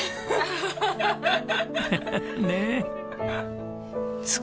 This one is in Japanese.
ねえ。